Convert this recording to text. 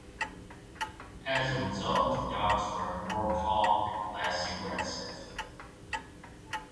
As a result the dogs were more calm and less aggressive.